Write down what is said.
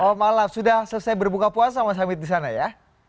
selamat malam sudah selesai berbuka puasa mas hamid di sana ya